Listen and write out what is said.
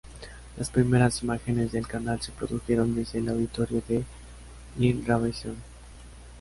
Las primeras imágenes del canal se produjeron desde el auditorio de Inravisión.